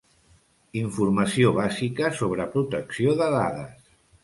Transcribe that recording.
Informació bàsica sobre protecció de dades.